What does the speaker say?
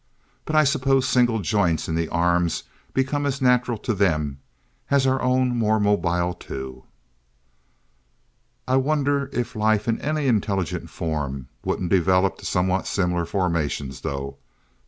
But I suppose single joints in the arms become as natural to them as our own more mobile two. "I wonder if life in any intelligent form wouldn't develop somewhat similar formations, though.